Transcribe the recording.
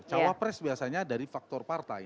cawapres biasanya dari faktor partai